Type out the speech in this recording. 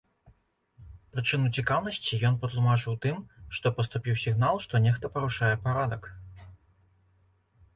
Прычыну цікаўнасці ён патлумачыў тым, што паступіў сігнал, што нехта парушае парадак.